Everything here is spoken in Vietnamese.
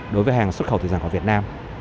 đối với hàng xuất khẩu thời gian của việt nam